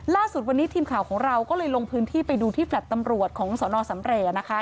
ล่าสุดวันนี้ทีมข่าวของเราก็เลยลงพื้นที่ไปดูที่แฟลต์ตำรวจของสนสำเรย์นะคะ